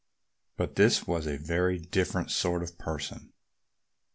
But this was a very different sort of person.